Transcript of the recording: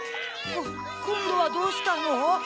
こんどはどうしたの？